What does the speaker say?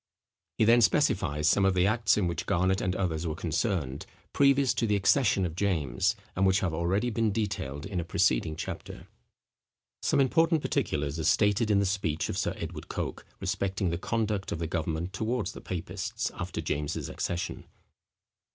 He then specifies some of the acts in which Garnet and others were concerned, previous to the accession of James, and which have already been detailed in a preceding chapter. Some important particulars are stated in the speech of Sir Edward Coke, respecting the conduct of the government towards the papists, after James's accession.